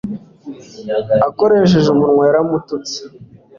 akoresheje umunwa yaramututse